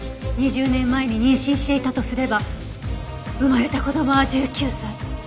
２０年前に妊娠していたとすれば生まれた子供は１９歳。